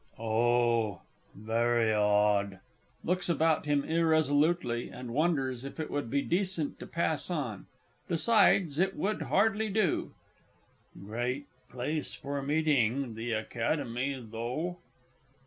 Oh, very odd. (Looks about him irresolutely, and wonders if it would be decent to pass on. Decides it will hardly do.) Great place for meeting, the Academy, though.